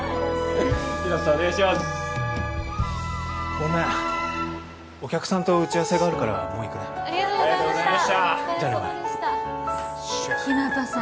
ごめんお客さんと打ち合わせがあるからもう行くねありがとうございましたじゃあね真凛日向さん